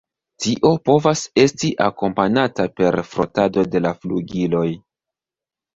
Tio povas esti akompanata per frotado de la flugiloj.